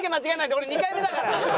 俺２回目だから！